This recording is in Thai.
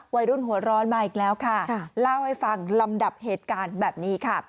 วัยรุ่นหัวร้อนมาอีกแล้วค่ะเล่าให้ฟังลำดับเหตุการณ์แบบนี้ค่ะ